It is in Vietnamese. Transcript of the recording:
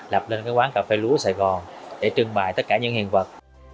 lập lên quán cà phê lúa sài gòn để trưng bày tất cả những hiện vật